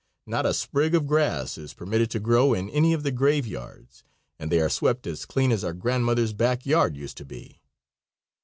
Not a sprig of grass is permitted to grow in any of the graveyards, and they are swept as clean as our grandmother's backyard used to be.